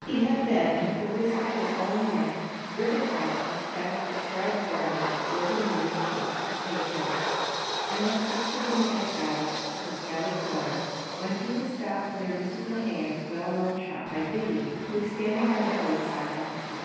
He had then, at the risk of his own neck, driven off as fast as Fred Brown's broken knee'd horse could take him, and was proceeding at a gallop towards Ballycloran, when he was stopped near Mrs. Mehan's well known shop by Biddy, who was standing by the road side opposite.